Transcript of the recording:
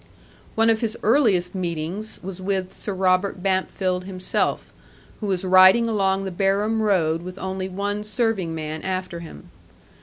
One of his earliest meetings was with Sir Robert Bampfylde himself, who was riding along the Barum road with only one serving man after him.